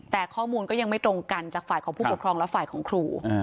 แต่ข้อมูลก็ยังไม่ตรงกันจากฝ่ายของผู้ปกครองและฝ่ายของครู